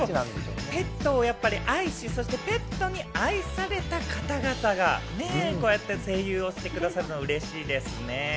ペットを愛し、そしてペットに愛された方々がこうやって声優をしてくださるのうれしいですね。